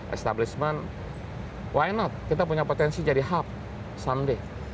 establishment why not kita punya potensi jadi hub something